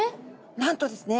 なんとですね